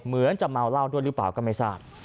เหมือนจะเมาเหล้าด้วยหรือเปล่าก็ไม่ทราบ